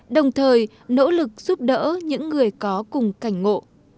đồng thời nỗ lực giúp đỡ những người có cùng cảnh ngộ